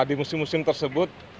di musim musim tersebut